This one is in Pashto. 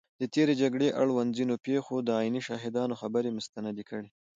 د تېرې جګړې اړوند ځینو پېښو د عیني شاهدانو خبرې مستند کړي